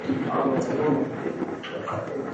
Emory L. Bennett - medal of honor winner.